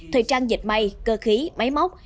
thời trang dịch may cơ khí máy móc